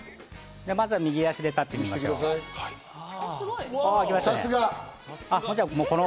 まずは右足で立ってみましょう。